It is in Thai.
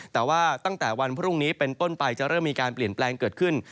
แต่ว่าตั้งแต่วันพรุ่งนี้เป็นต้นไปจะเริ่มมีการเปลี่ยนแปลงเกิดขึ้น